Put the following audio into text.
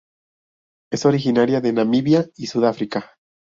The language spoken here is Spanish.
Es originaria de Namibia y Sudáfrica.